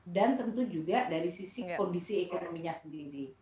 dan tentu juga dari sisi kondisi ekonominya sendiri